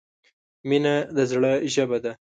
• مینه د زړۀ ژبه ده.